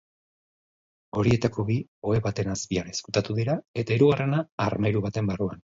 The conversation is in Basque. Horietako bi ohe baten azpian ezkutatu dira eta hirugarrena armairu baten barruan.